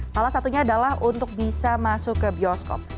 salah satunya adalah untuk bisa masuk ke bioskop